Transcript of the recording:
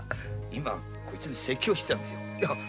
こいつに説教してたんです。